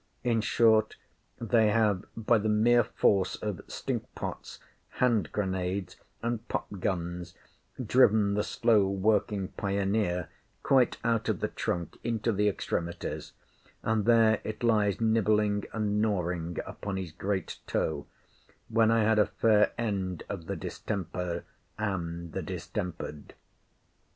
In short, they have, by the mere force of stink pots, hand granades, and pop guns, driven the slow working pioneer quite out of the trunk into the extremities; and there it lies nibbling and gnawing upon his great toe; when I had a fair end of the distemper and the distempered.